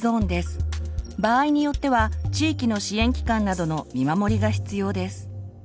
場合によっては地域の支援機関などの見守りが必要です。